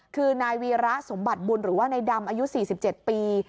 คือนายวีระสมบัติบุญหรือว่านายดำอายุ๔๗ปี